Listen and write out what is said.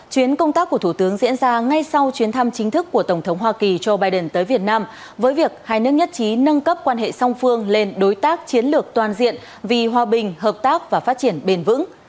chuyến công tác của thủ tướng diễn ra ngay sau chuyến thăm chính thức của tổng thống hoa kỳ joe biden tới việt nam với việc hai nước nhất trí nâng cấp quan hệ song phương lên đối tác chiến lược toàn diện vì hòa bình hợp tác và phát triển bền vững